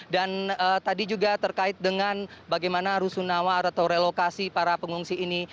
dan tadi juga terkait dengan bagaimana rusun nawar atau relokasi para pengungsi ini